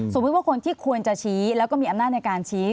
ว่าคนที่ควรจะชี้แล้วก็มีอำนาจในการชี้